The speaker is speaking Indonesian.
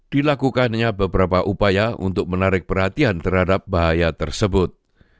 dilakukannya beberapa upaya untuk menarik perhatian terhadap bahaya tersebut